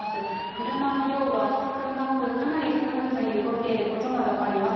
車の量は少なく、かなりスムーズに動いていることが分かります。